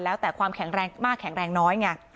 แล้วแต่ความแข็งแรงมากแข็งแรงน้อยไง